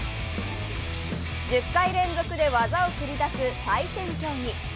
１０回連続で技を繰り出す採点競技。